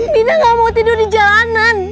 dina gak mau tidur di jalanan